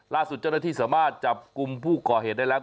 ล่าสุดเจ้าหน้าที่สามารถจับกลุ่มผู้ก่อเหตุได้แล้ว